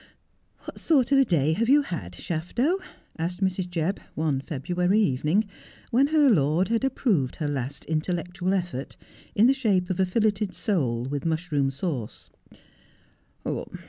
'What sort of a day have you had, Shafto?' asked Mrs. Shafto Jebb is sent for. 185 Jebb. one February evening, when her lord had approved her last intellectual effort, in the shape of a filleted sole with mush room sauce.